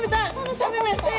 食べましたよ！